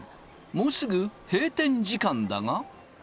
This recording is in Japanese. もうすぐ閉店時間だが。